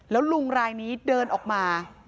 แล้วลุงรายนี้เดินออกมา